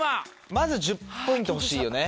まず１０ポイント欲しいよね。